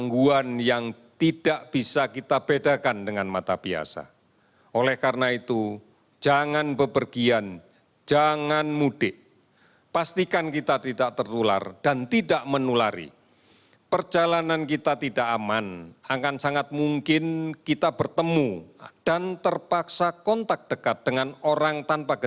jumlah kasus yang diperiksa sebanyak empat puluh delapan enam ratus empat puluh lima